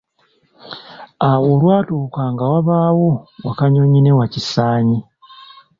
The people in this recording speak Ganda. Awo olwatuuka nga wabaawo Wakanyonyi ne Wakisaanyi.